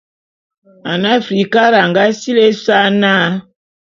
Ane Afrikara a nga sili ésa na.